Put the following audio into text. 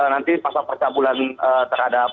nanti pasal percabulan terhadap